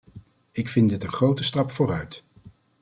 Ik vind dit een grote stap vooruit.